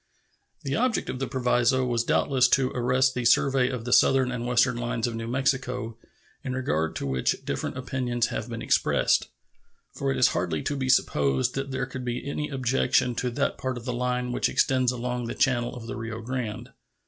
The object of the proviso was doubtless to arrest the survey of the southern and western lines of New Mexico, in regard to which different opinions have been expressed; for it is hardly to be supposed that there could be any objection to that part of the line which extends along the channel of the Rio Grande.